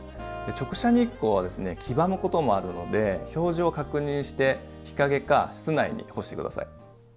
直射日光は黄ばむこともあるので表示を確認して日陰か室内に干して下さい。